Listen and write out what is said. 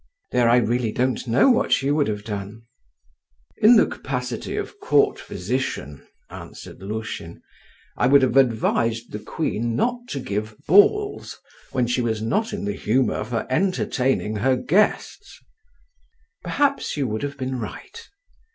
"There, I really don't know what you would have done…." "In the capacity of court physician," answered Lushin, "I would have advised the queen not to give balls when she was not in the humour for entertaining her guests…." "Perhaps you would have been right.